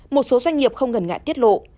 một số doanh nghiệp không ngần ngại tiết lộ